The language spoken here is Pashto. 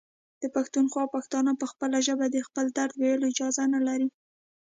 د پښتونخوا پښتانه په خپله ژبه د خپل درد ویلو اجازه نلري.